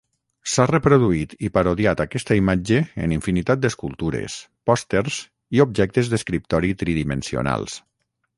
S'ha reproduït i parodiat aquesta imatge en infinitat d'escultures, pòsters, i objectes d'escriptori tridimensionals.